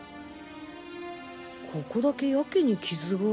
ここだけやけに傷が。